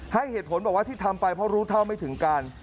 ให้เหตุผลบอกว่าที่ทำไปเพราะรู้เท่าไม่ถึงการ